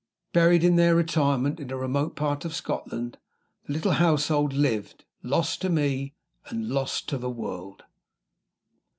Buried in their retirement in a remote part of Scotland, the little household lived, lost to me, and lost to the world.